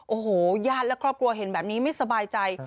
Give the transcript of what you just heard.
โอ้โหญาติและครอบครัวเห็นแบบนี้ไม่สบายใจ